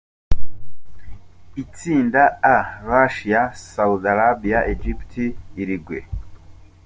Itsinda A: Russia, Saudi Arabia, Egypt, Uruguay.